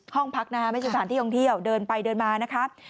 ห้องพักนะฮะไม่ใช่สถานที่ท่องเที่ยวเดินไปเดินมานะครับ